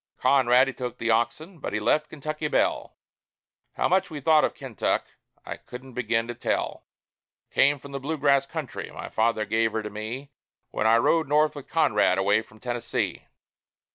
Conrad, he took the oxen, but he left Kentucky Belle. How much we thought of Kentuck, I couldn't begin to tell Came from the Blue Grass country; my father gave her to me When I rode North with Conrad, away from Tennessee.